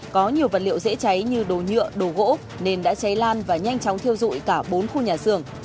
có nhiều vật liệu dễ cháy như đồ nhựa đồ gỗ nên đã cháy lan và nhanh chóng thiêu dụi cả bốn khu nhà xưởng